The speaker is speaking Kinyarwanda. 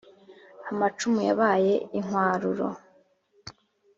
amacumu yabaye inkwaruro.